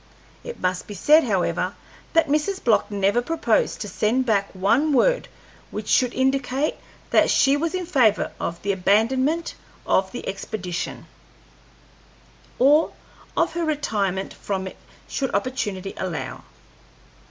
It must be said, however, that Mrs. Block never proposed to send back one word which should indicate that she was in favor of the abandonment of the expedition, or of her retirement from it should opportunity allow.